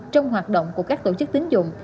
trong hoạt động của các tổ chức tính dụng